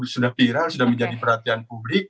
sudah viral sudah menjadi perhatian publik